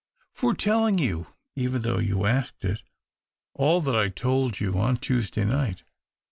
" For telling you, even though you asked it, all that I told you on Tuesday night.